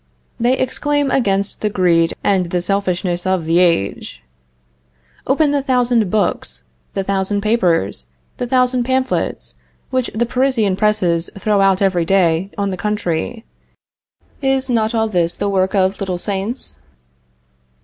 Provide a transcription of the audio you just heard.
They exclaim against the greed and the selfishness of the age! Open the thousand books, the thousand papers, the thousand pamphlets, which the Parisian presses throw out every day on the country; is not all this the work of little saints?